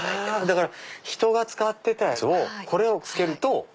だから人が使ってたやつをこれをつけると。